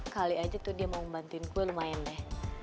kali aja tuh dia mau membantuin gue lumayan deh